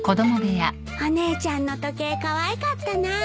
お姉ちゃんの時計かわいかったなあ。